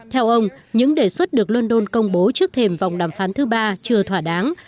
theo ông những đề xuất được london công bố trước thềm vòng đàm phán thứ ba chưa thỏa đáng